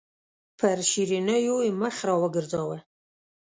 پر شیرینو یې مخ راوګرځاوه.